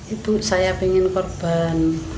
ibu saya pengen berkurban